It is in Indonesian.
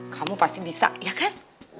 kamu pasti bisa ya kan